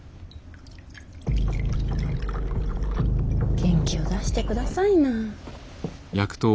元気を出してくださいな。